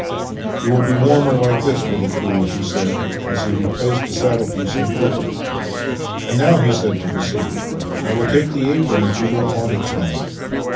" You will be warmer like this, little fool," he said as he replaced the saddle piece and crupper. " And now," he added to Vassili, " I will take the apron if you don't want it to night.